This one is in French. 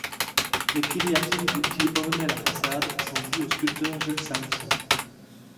Les cariatides qui ornaient la façade sont dues au sculpteur Jules Salmson.